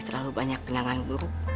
terlalu banyak kenangan buruk